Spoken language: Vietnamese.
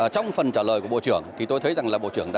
trong phần trả lời của bộ trưởng thì tôi thấy rằng là bộ trưởng